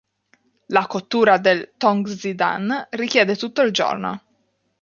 La cottura del "Tong zi dan" richiede tutto il giorno.